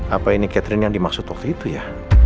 apa ini catherine yang dimaksud waktu itu ya